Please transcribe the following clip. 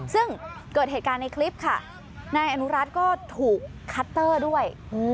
ซึ่งเกิดเหตุการณ์ในคลิปค่ะนายอนุรัติก็ถูกคัตเตอร์ด้วย